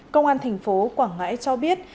công an thành phố quảng ngãi cho biết